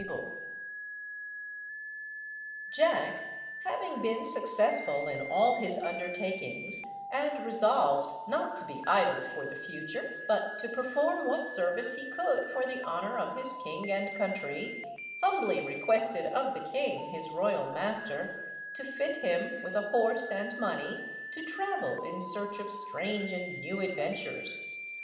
WHITE, 1711.] Jack, having been successful in all his undertakings, and resolved not to be idle for the future, but to perform what service he could for the honour of his king and country, humbly requested of the king, his royal master, to fit him with a horse and money, to travel in search of strange and new adventures.